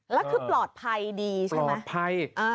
แล้วคือปลอดภัยดีใช่ไหมปลอดภัย